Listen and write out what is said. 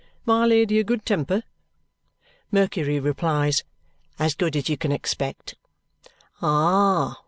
My Lady a good temper?" Mercury replies, "As good as you can expect." "Ah!"